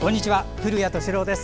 古谷敏郎です。